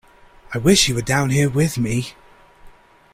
I wish you were down here with me!